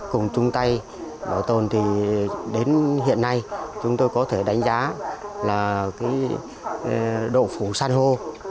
cùng chung tay bảo tồn thì đến hiện nay chúng tôi có thể đánh giá là độ phủ san hô